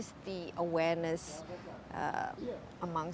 jadi kamu bahasa inggris oke